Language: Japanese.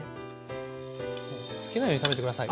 好きなように食べて下さい。